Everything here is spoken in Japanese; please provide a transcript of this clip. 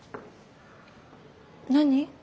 何？